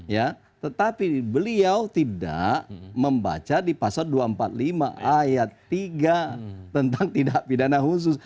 ya tetapi beliau tidak membaca di pasal dua ratus empat puluh lima ayat tiga tentang tidak pidana khusus